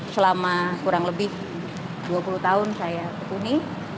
selama kurang lebih dua puluh tahun saya kehuni